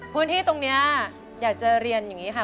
พื้นที่ตรงนี้อยากจะเรียนอย่างนี้ค่ะ